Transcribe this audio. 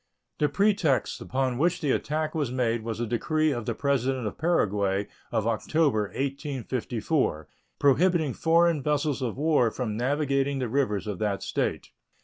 The pretext upon which the attack was made was a decree of the President of Paraguay of October, 1854, prohibiting foreign vessels of war from navigating the rivers of that State.